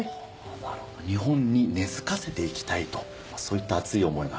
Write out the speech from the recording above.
なるほど日本に根付かせていきたいとそういった熱い思いがあると。